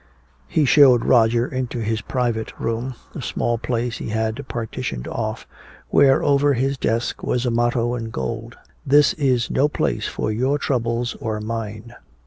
He showed Roger into his private room, a small place he had partitioned off, where over his desk was a motto in gold: "This is no place for your troubles or mine."